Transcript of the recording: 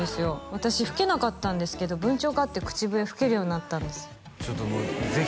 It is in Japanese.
私吹けなかったんですけど文鳥飼って口笛吹けるようになったんですえ